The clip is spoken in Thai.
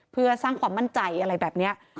เพื่อสร้างความมั่นใจอะไรแบบนี้